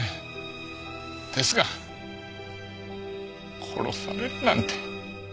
ですが殺されるなんて。